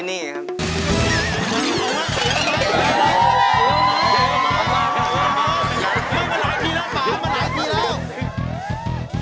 นี่มึงมาหลายทีแล้วป๊า